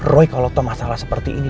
roy kalo tau masalah seperti ini